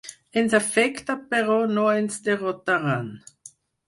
Ens afecta, però no ens derrotaran